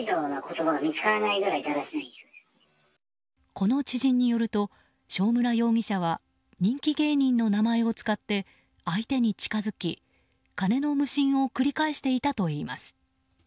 この知人によると正村容疑者は人気芸人の名前を使って相手に近づき、金の無心を繰り返していたといいます。